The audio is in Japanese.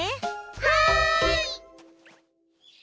はい！